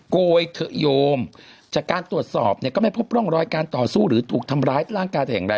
โกยเถอะโยมจากการตรวจสอบเนี่ยก็ไม่พบร่องรอยการต่อสู้หรือถูกทำร้ายร่างกายแต่อย่างไร